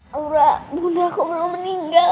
aura bunda kok belum meninggal